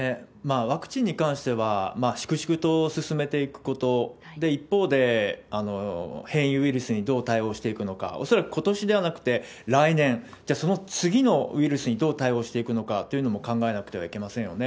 ワクチンに関しては、粛々と進めていくこと、一方で、変異ウイルスにどう対応していくのか、恐らくことしではなくて来年、じゃあ、その次のウイルスにどう対応していくのかというのも考えなくてはいけませんよね。